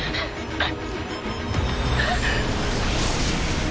あっ！